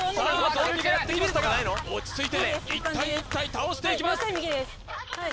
ゾンビがやって来ましたが落ち着いて１体１体倒していきますはい